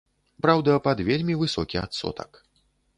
Праўда, пад вельмі высокі адсотак.